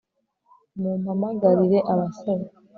mumpamagarire abasore